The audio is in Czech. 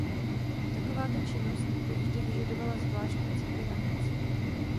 Takováto činnost by vždy vyžadovala zvláštní cykly navíc.